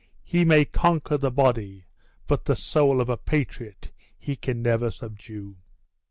He may conquer the body, but the soul of a patriot he can never subdue."